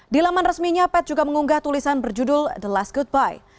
di laman resminya pet juga mengunggah tulisan berjudul the last goodby